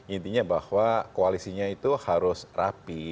intinya bahwa koalisinya itu harus rapi